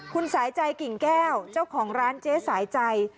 คุณสายใจกิ่งแก้วเจ้าของร้านเจ๊สายใจ